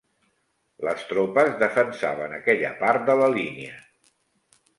Les tropes defensaven aquella part de la línia